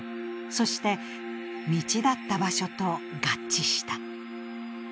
そして、道だった場所と合致した。